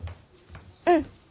うん。